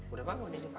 udah bangun deh dokter